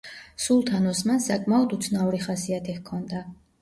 სულთან ოსმანს საკმაოდ უცნაური ხასიათი ჰქონდა.